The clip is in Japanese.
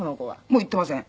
もう行ってません。